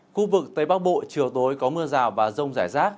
khu vực tây bắc bộ chiều tối có mưa rào và rông rải rác